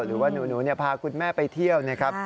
หรือว่าหนูพาคุณแม่ไปเที่ยวนะครับ